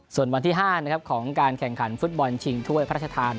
ส่วนวันที่๕ของการแข่งขันฟุตบอลชิงถ้วยพระราชทาน